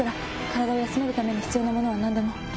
体を休めるために必要なものは何でも。